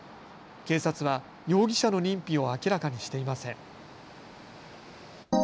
警察は容疑者の認否を明らかにしていません。